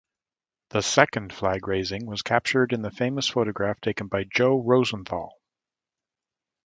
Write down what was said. The second flag raising was captured in the famous photograph taken by Joe Rosenthal.